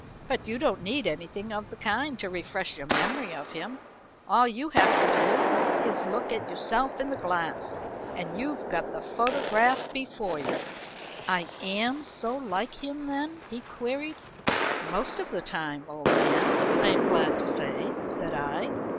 "But you don't need anything of the kind to refresh your memory of him. All you have to do is to look at yourself in the glass, and you've got the photograph before you." "I am so like him then?" he queried. "Most of the time, old man, I am glad to say," said I.